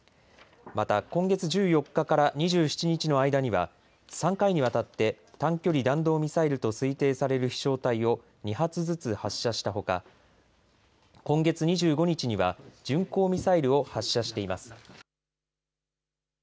また今月１４日から２７日の間には３回にわたって短距離弾道ミサイルと推定される飛しょう体を２発ずつ発射したほか今月２５日には巡航ミサイルを発射しています。